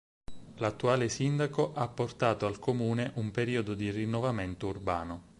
L'attuale Sindaco ha portato al comune un periodo di rinnovamento urbano.